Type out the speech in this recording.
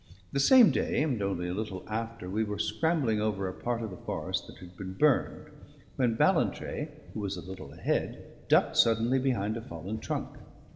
The same day, and only a little after, we were scrambling over a part of the forest that had been burned, when Ballantrae, who was a little ahead, ducked suddenly behind a fallen trunk.